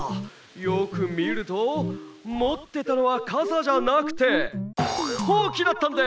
よくみるともってたのはかさじゃなくてホウキだったんです！